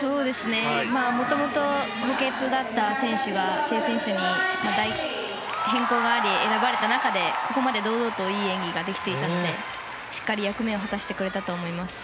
もともと補欠だった選手が正選手に変更があり選ばれた中で、ここまで堂々といい演技ができていたのでしっかり役目を果たしてくれたと思います。